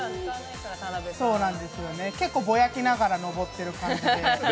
結構ぼやきながら上ってる感じで。